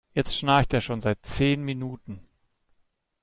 Jetzt schnarcht er schon seit zehn Minuten.